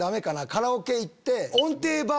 カラオケ行って。